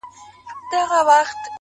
راسه چي زړه ښه درته خالي كـړمـه؛